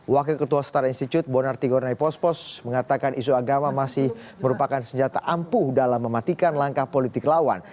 wakil ketua star institut bonarti gonay pospos mengatakan isu agama masih merupakan senjata ampuh dalam mematikan langkah politik lawan